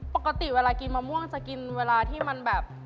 ปกติเวลากินมะม่วงจะกินเวลาที่มันแบบ